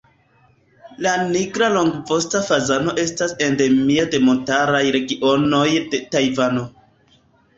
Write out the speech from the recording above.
La Nigra longvosta fazano estas endemia de montaraj regionoj de Tajvano.